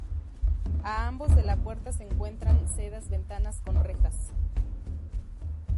A ambos de la puerta se encuentran sedas ventanas con rejas.